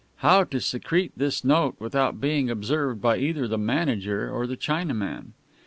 How to secrete this note without being observed by either the manager or the Chinaman?